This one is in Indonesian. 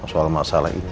soal masalah ini